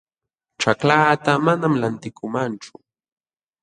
Ćhaklaata manam lantikuumanchu